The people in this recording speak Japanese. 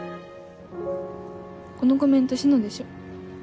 このコメント志乃でしょ？